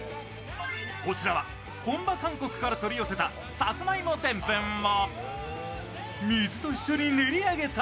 こちらは本場・韓国から取り寄せたさつまいもでんぷんを水と一緒に練り上げた